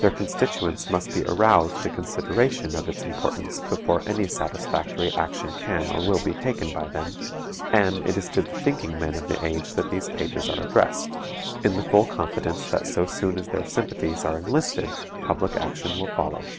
Their constituents must be aroused to consideration of its importance before any satisfactory action can or will be taken by them; and it is to the thinking men of the age that these pages are addressed, in the full confidence that so soon as their sympathies are enlisted public action will follow.